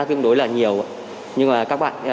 tương đối là nhiều nhưng mà các bạn